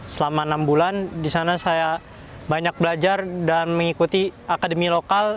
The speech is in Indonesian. selama enam bulan di sana saya banyak belajar dan mengikuti akademi lokal